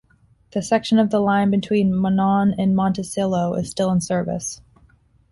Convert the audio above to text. The section of the line between Monon and Monticello is still in service.